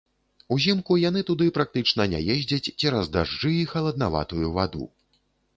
Узімку яны туды практычна не ездзяць цераз дажджы і халаднаватую ваду.